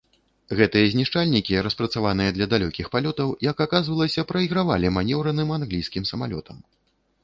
Гэтыя знішчальнікі, распрацаваныя для далёкіх палётаў, як аказвалася, прайгравалі манеўраным англійскім самалётам.